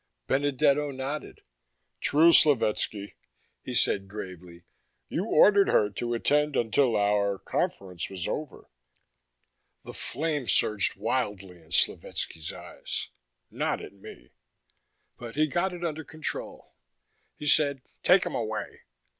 Benedetto nodded. "True, Slovetski," he said gravely. "You ordered her to attend until our conference was over." The flame surged wildly in Slovetski's eyes not at me. But he got it under control. He said, "Take him away."